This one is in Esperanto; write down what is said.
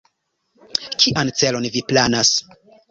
Kian celon vi planas?